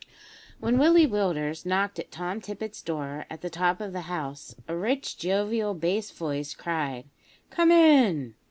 When Willie Willders knocked at Tom Tippet's door, at the top of the house, a rich jovial bass voice cried, "Come in."